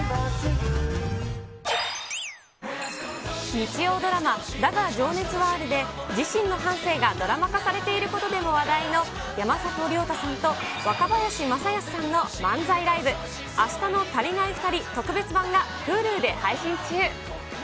日曜ドラマ、だが、情熱はあるで、自身の半生をドラマ化されていることでも話題の、山里亮太さんと若林正恭さんの漫才ライブ、明日のたりないふたり特別版が、Ｈｕｌｕで配信中。